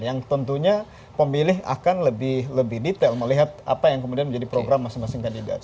yang tentunya pemilih akan lebih detail melihat apa yang kemudian menjadi program masing masing kandidat